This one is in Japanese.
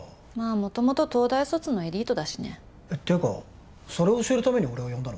元々東大卒のエリートだしねていうかそれを教えるために俺を呼んだの？